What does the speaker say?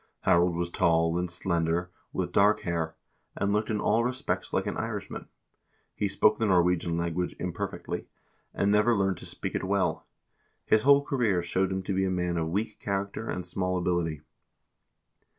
Harald was tall and slender, with dark hair, and looked in all respects like an Irishman ; he spoke the Nor wegian language imperfectly, and never learned to speak it well ; his whole career showed him to be a man of weak character and small ability.